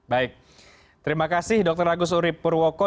baik terima kasih dr agus urip purwoko